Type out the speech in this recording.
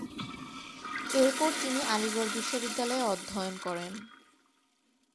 এরপর তিনি আলিগড় বিশ্ববিদ্যালয়ে অধ্যয়ন করেন।